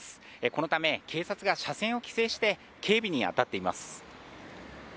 このため、警察が車線を規制して、警備に当たっています。